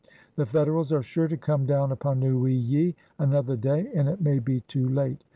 The Federals are sure to come down upon Neuilly, another day and it may be too late.